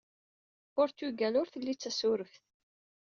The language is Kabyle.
Puṛtugal ur telli d tasureft.